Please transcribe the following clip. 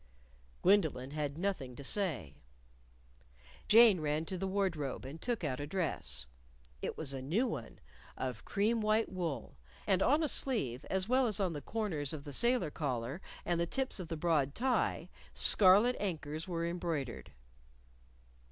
Gwendolyn had nothing to say. Jane ran to the wardrobe and took out a dress. It was a new one, of cream white wool; and on a sleeve, as well as on the corners of the sailor collar and the tips of the broad tie, scarlet anchors were embroidered.